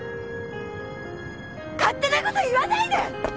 勝手な事言わないで！